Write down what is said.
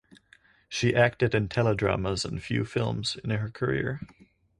She acted in teledramas and few films in her career.